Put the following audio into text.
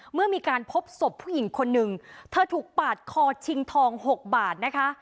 เมื่อมีการพบศพผู้หญิงคนหนึ่งเธอถูกปาดคอชิงทอง๖บาทนะคะ